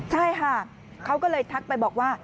ใช่ค่ะเขาก็เลยทักไปบอกว่า